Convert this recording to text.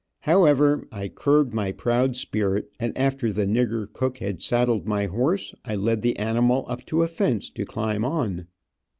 However, I curbed my proud spirit, and after the nigger cook had saddled my horse, I led the animal up to a fence to climb on.